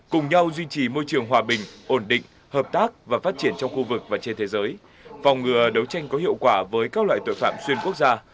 cùng nhau duy trì môi trường hòa bình ổn định hợp tác và phát triển trong khu vực và trên thế giới phòng ngừa đấu tranh có hiệu quả với các loại tội phạm xuyên quốc gia